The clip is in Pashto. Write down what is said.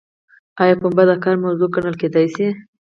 ایا پنبه د کار موضوع ګڼل کیدای شي؟